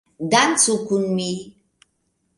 Dancu kun mi!